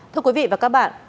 thưa quý vị và các bạn